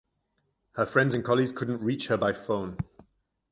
Her friends and colleagues couldn’t reach her by phone.